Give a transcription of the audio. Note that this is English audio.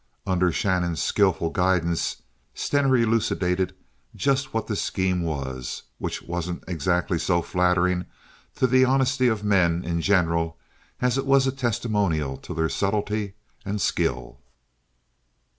Under Shannon's skillful guidance Stener elucidated just what this scheme was—which wasn't exactly so flattering to the honesty of men in general as it was a testimonial to their subtlety and skill.